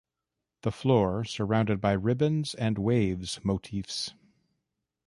The floor surrounded by ribbons and waves motifs.